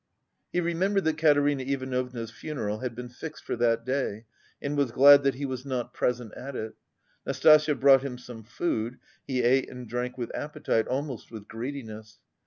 He remembered that Katerina Ivanovna's funeral had been fixed for that day, and was glad that he was not present at it. Nastasya brought him some food; he ate and drank with appetite, almost with greediness.